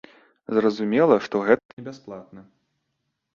Зразумела, што гэта не бясплатна.